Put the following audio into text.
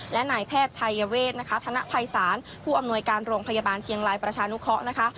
และนายแพทย์ชัยเวทนะคะธนภัยศาลผู้อำนวยการโรงพยาบาลเชียงรายประชานุเคราะห์นะคะ